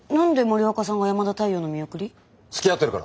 つきあってるから。